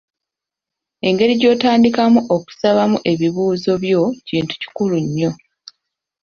Engeri gy'otandikamu okusabamu ebibuuzo byo kintu kikulu nnyo.